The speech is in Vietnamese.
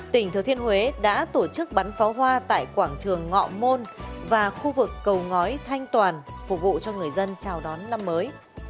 tỉnh thừa thiên huế đã tổ chức bắn pháo hoa tại quảng trường ngọ môn và khu vực cầu ngói thanh toàn phục vụ cho người dân chào đón năm mới